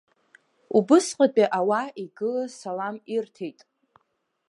Убысҟатәи ауаа игылаз салам ирҭеит.